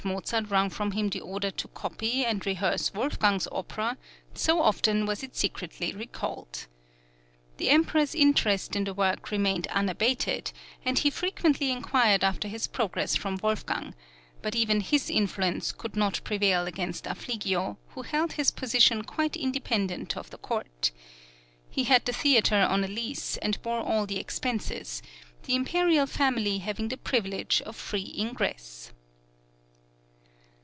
Mozart wrung from him the order to copy and rehearse Wolfgang's opera, so often was it secretly recalled. The Emperor's interest in the work remained unabated, and he frequently inquired after its progress from Wolfgang; but even his influence could not prevail against Affligio, who held his position quite independent of the court. He had the theatre on a lease, and bore all the expenses, the imperial family having the privilege of free ingress.